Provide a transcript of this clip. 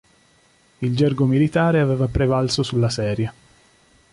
Il gergo militare aveva prevalso sulla serie.